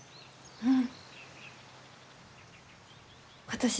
うん！